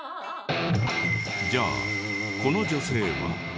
じゃあこの女性は？